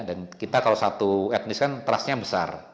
dan kita kalau satu etnis kan terasnya besar